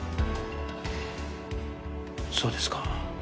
そうですか。